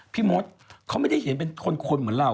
มดเขาไม่ได้เห็นเป็นคนเหมือนเรา